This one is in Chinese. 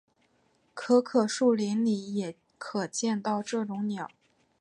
可可树林里也可见到这种鸟。